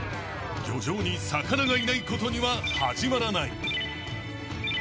［漁場に魚がいないことには始まらない］